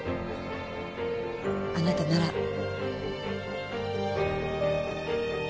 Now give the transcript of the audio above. あなたなら。